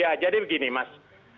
ya jadi begini mas